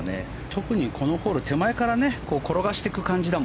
特に、このホールは手前から転がしていく感じだし。